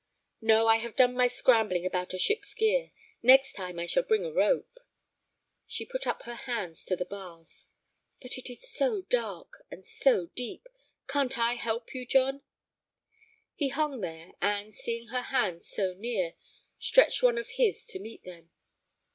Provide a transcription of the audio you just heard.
"No, I have done my scrambling about a ship's gear. Next time I shall bring a rope." She put up her hands to the bars. "But it is so dark, and so deep. Can't I help you, John?" He hung there, and, seeing her hands so near, stretched one of his to meet them.